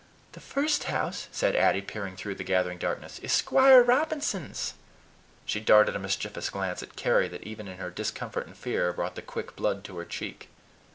"The first house," said Addy, peering through the gathering darkness, "is Squire Robinson's." She darted a mischievous glance at Carry that, even in her discomfort and fear, brought the quick blood to her cheek.